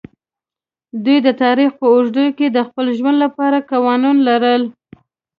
دوی د تاریخ په اوږدو کې د خپل ژوند لپاره قوانین لرل.